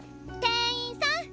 店員さん！